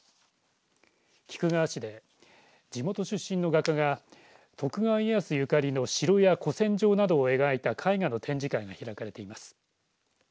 菊川市で地元出身の画家が徳川家康ゆかりの城や古戦場などを描いた絵画の展示会が開かれています。